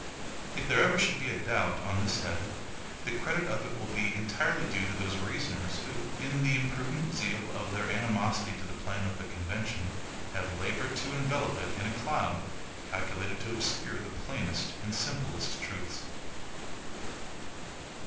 If there ever should be a doubt on this head, the credit of it will be entirely due to those reasoners who, in the imprudent zeal of their animosity to the plan of the convention, have labored to envelop it in a cloud calculated to obscure the plainest and simplest truths.